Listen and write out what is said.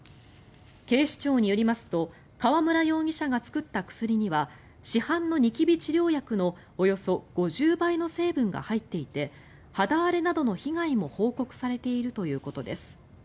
警視庁によりますと河村容疑者が作った薬には市販のニキビ治療薬のおよそ５０倍の成分が入っていて肌荒れなどの被害も報告されているということです。